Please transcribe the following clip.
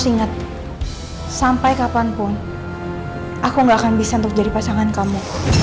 sampai kapanpun aku gak akan bisa untuk jadi pasangan kamu